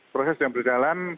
proses sedang berjalan